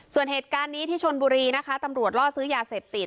ส่วนเหตุการณ์นี้ที่ชนบุรีนะคะตำรวจล่อซื้อยาเสพติด